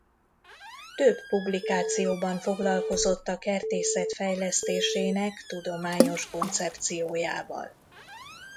Több publikációban foglalkozott a kertészet fejlesztésének tudományos koncepciójával.